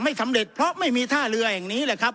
สำเร็จเพราะไม่มีท่าเรือแห่งนี้แหละครับ